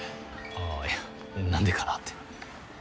あぁいや何でかなって。